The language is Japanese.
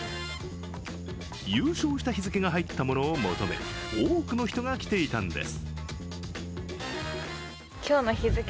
優勝した日付の入ったものを求め多くの人が来ていたんです。